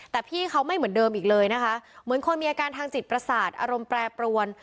แต่พี่เขาไม่เหมือนเดิมอีกเลยนะคะเหมือนคนมีอาการทางจิตประสาทอารมณ์แปรปรวน